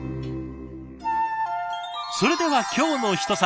それでは「きょうのひと皿」。